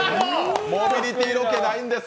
「モビリティ」ロケないんです。